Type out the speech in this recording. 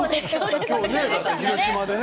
今日、広島でね。